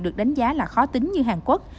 được đánh giá là khó tính như hàn quốc